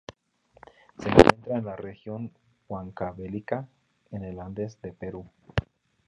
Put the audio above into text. Se encuentra en la Región Huancavelica en el Andes del Perú.